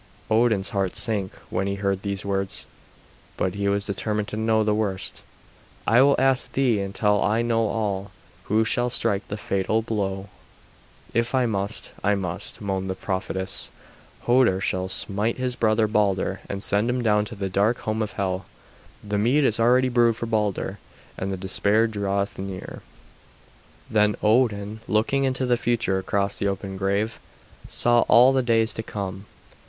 Odin's heart sank when he heard these words; but he was determined to know the worst. "I will ask thee until I know all. Who shall strike the fatal blow?" "If I must, I must," moaned the prophetess. "Hoder shall smite his brother Balder and send him down to the dark home of Hel. The mead is already brewed for Balder, and the despair draweth near." Then Odin, looking into the future across the open grave, saw all the days to come.